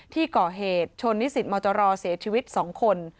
ที่ก่อเหตุชนนิสิตมตรเสียชีวิต๒คน